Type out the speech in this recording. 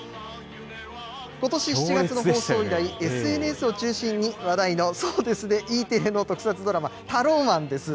ことし７月の放送以来、ＳＮＳを中心に話題の、Ｅテレの特撮ドラマ、ＴＡＲＯＭＡＮです。